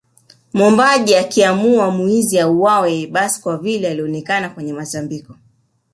Mwombaji akiamua mwizi auawe basi kwa vile anaonekana kwenye matambiko